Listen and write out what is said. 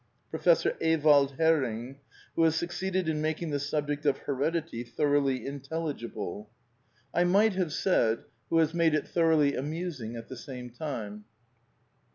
Professor Ewald Hering,® who has succeeded in making the subject of Heredity thoroughly intelligible. I might have said, PAN PSYCHISM OF SAMUEL BUTLER 15 who has made it thoroughly amusing at the same time.